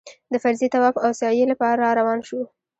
د فرضي طواف او سعيې لپاره راروان شوو.